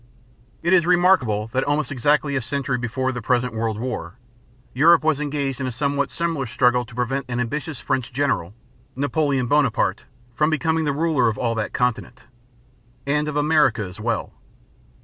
It is remarkable that almost exactly a century before the present world war, Europe was engaged in a somewhat similar struggle to prevent an ambitious French general, Napoleon Bonaparte, from becoming the ruler of all that continent, and of America as well.